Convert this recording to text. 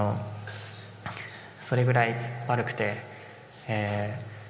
それぐらい悪くて。